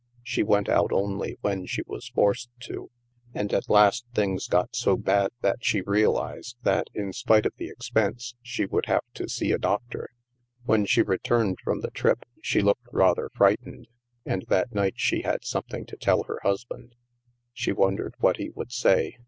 She went out only when she was forced to. And at last things got so bad that she realized that, in spite of the expense, she would have to see a doctor. When she returned from the trip, she looked rather frightened. And that night she had something to tell her husband. She wondered what he would say.